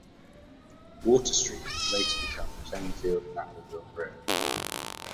Water Street would later become Plainfield-Naperville Road.